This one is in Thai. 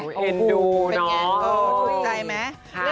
เห็นดูเนาะ